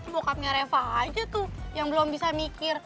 bukannya reva aja tuh yang belum bisa mikir